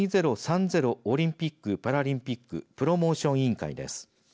オリンピック・パラリンピックプロモーション委員会です。